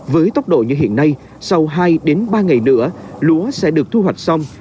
với tốc độ như hiện nay sau hai ba ngày nữa lúa sẽ được thu hoạch xong